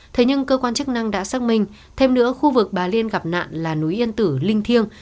thế nhưng cơ quan chức năng đã xác minh thêm nữa khu vực bà liên gặp nạn là núi yên tử linh thiêng